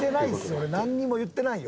俺なんにも言ってないよ。